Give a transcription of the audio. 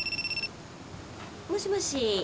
もしもし？